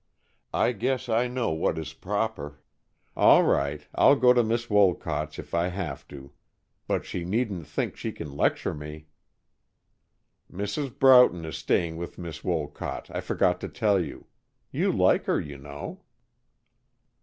"I guess I know what is proper. All right, I'll go to Miss Wolcott's if I have to. But she needn't think she can lecture me." "Mrs. Broughton is staying with Miss Wolcott, I forgot to tell you. You like her, you know."